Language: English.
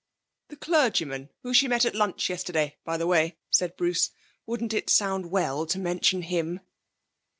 'The clergyman whom she met at lunch yesterday, by the way,' said Bruce, 'wouldn't it sound well to mention him?'